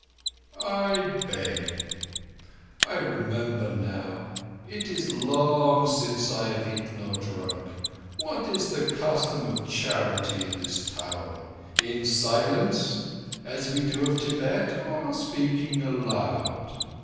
"I beg. I remember now it is long since I have eaten or drunk. What is the custom of charity in this town? In silence, as we do of Tibet, or speaking aloud?"